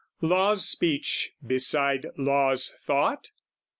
Law's speech beside law's thought?